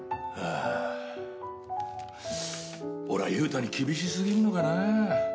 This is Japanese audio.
俺は勇太に厳しすぎるのかな。